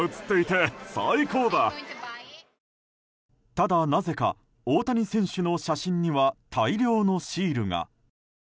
ただ、なぜか大谷選手の写真には大量のシールが。